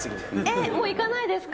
えっ、もう行かないですか？